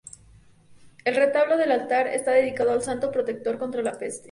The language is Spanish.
El retablo del altar está dedicado al santo, protector contra la peste.